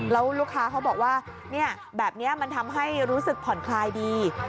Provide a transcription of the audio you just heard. แล้วลูกค้าเขาบอกว่าแบบนี้มันทำให้รู้สึกผ่อนคลายดี